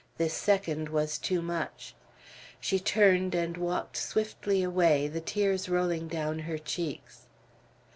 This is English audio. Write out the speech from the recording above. This second was too much. She turned, and walked swiftly away, the tears rolling down her cheeks.